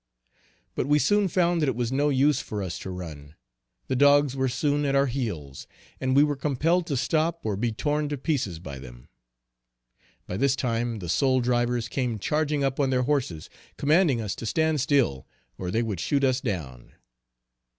But we soon found that it was no use for us to run. The dogs were soon at our heels, and we were compelled to stop, or be torn to pieces by them. By this time, the soul drivers came charging up on their horses, commanding us to stand still or they would shoot us down.